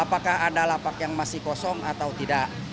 apakah ada lapak yang masih kosong atau tidak